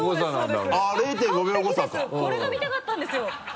これが見たかったんですよ。